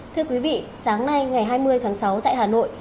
thưa quý vị sáng nay ngày hai mươi tháng sáu tại hà nội